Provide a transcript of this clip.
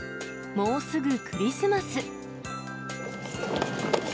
もうすぐクリスマス。